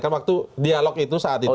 kan waktu dialog itu saat itu